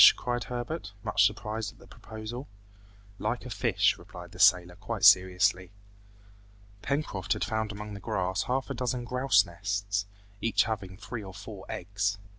cried Herbert, much surprised at the proposal. "Like a fish," replied the sailor quite seriously. Pencroft had found among the grass half a dozen grouse nests, each having three or four eggs.